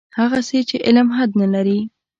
هغسې چې علم حد نه لري.